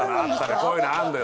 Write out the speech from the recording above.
こういうのあるのよ。